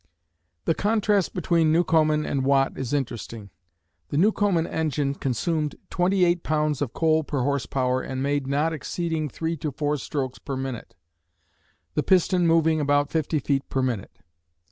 The contrast between Newcomen and Watt is interesting. The Newcomen engine consumed twenty eight pounds of coal per horse power and made not exceeding three to four strokes per minute, the piston moving about fifty feet per minute.